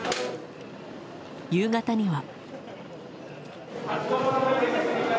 夕方には。